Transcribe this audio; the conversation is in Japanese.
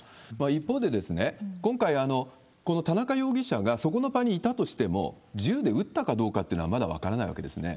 一方で、今回、この田中容疑者がそこの場にいたとしても、銃で撃ったかどうかというのはまだ分からないわけですね。